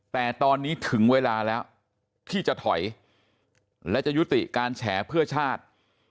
แต่ตอนนี้ถึงเวลาแล้วที่จะถอยและจะยุติการแฉเพื่อชาติ